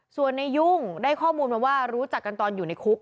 ส่วนในยุ่งได้ข้อมูลมาว่ารู้จักกันตอนอยู่ในคุก